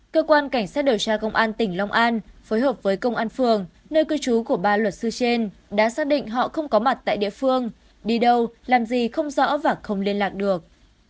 cơ quan cảnh sát điều tra công an tỉnh long an phối hợp với công an phường nơi cư trú của ba luật sư trên đã xác định họ không có mặt tại địa phương đi đâu làm gì không rõ và không liên lạc được